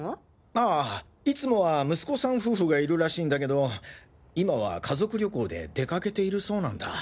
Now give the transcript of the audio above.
あぁいつもは息子さん夫婦がいるらしいんだけど今は家族旅行で出かけているそうなんだ。